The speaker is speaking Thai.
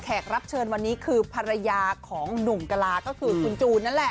รับเชิญวันนี้คือภรรยาของหนุ่มกะลาก็คือคุณจูนนั่นแหละ